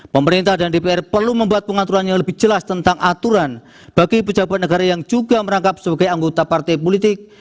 pemerintah dan dpr perlu membuat pengaturan yang lebih jelas tentang aturan bagi pejabat negara yang juga merangkap sebagai anggota partai politik